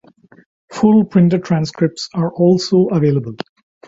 Full printed transcripts are also available.